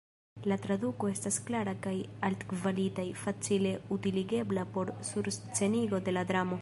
La traduko estas klara kaj altkvalita, facile utiligebla por surscenigo de la dramo.